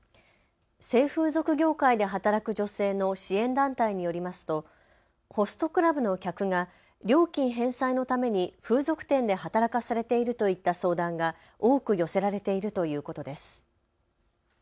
性風俗業界で働く女性の支援団体によりますとホストクラブの客が料金返済のために風俗店で働かされているといった相談が多く寄せられているということです。